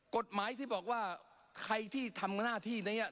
กฎหมายที่บอกว่าใครที่ทำหน้าที่นี้